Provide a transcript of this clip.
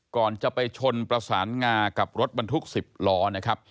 ก่อนจะไปชนประสานงากับรถบรรทุก๑๐ล้อนะครับ